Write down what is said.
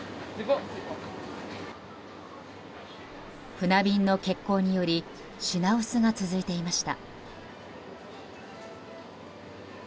船便の欠航により品薄が続いていました。